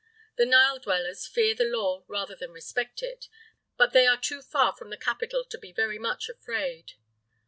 The Nile dwellers fear the law rather than respect it; but they are too far from the capital to be very much afraid.